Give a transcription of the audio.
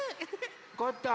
ゴットン